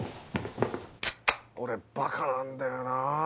俺バカなんだよな。